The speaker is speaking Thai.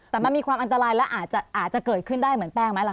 แต่มันมีความอันตรายและอาจจะเกิดขึ้นได้เหมือนแป้งไหมล่ะ